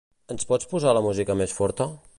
Ens pots posar la música més forta?